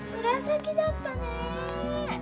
紫だったね！